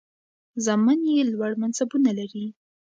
زامن یې لوړ منصبونه لري.